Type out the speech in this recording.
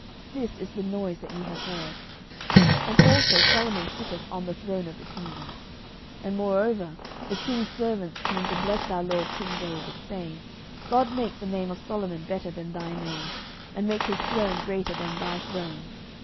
This is the noise that ye have heard. 11:001:046 And also Solomon sitteth on the throne of the kingdom. 11:001:047 And moreover the king's servants came to bless our lord king David, saying, God make the name of Solomon better than thy name, and make his throne greater than thy throne.